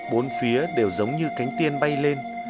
bốn phía đều giống như cánh tiên bay lên